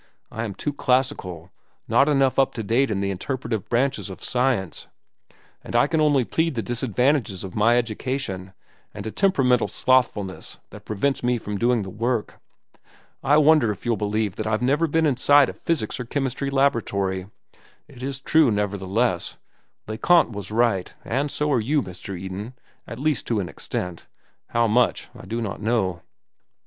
I am too classical, not enough up to date in the interpretative branches of science, and I can only plead the disadvantages of my education and a temperamental slothfulness that prevents me from doing the work. I wonder if you'll believe that I've never been inside a physics or chemistry laboratory? It is true, nevertheless. Le Conte was right, and so are you, Mr. Eden, at least to an extent—how much I do not know."